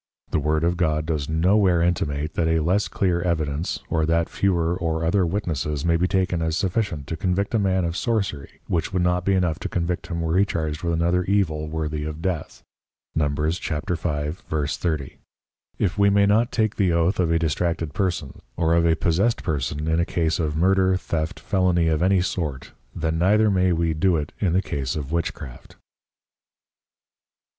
The Word of God does no where intimate, that a less clear Evidence, or that fewer or other Witnesses may be taken as sufficient to convict a Man of Sorcery, which would not be enough to convict him were he charged with another evil worthy of Death, Numb. 35.30. if we may not take the Oath of a distracted Person, or of a possessed Person in a Case of Murder, Theft, Felony of any sort, then neither may we do it in the Case of Witchcraft.